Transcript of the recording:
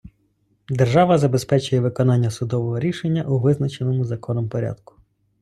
Держава забезпечує виконання судового рішення у визначеному законом порядку.